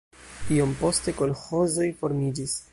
Iom poste kolĥozoj formiĝis.